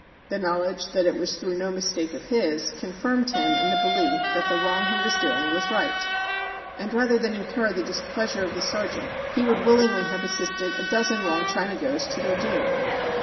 The knowledge that it was through no mistake of his confirmed him in the belief that the wrong he was doing was the right. And, rather than incur the displeasure of the sergeant, he would THE CHINAGO 177 willingly have assisted a dozen wrong Chinagos to their doom.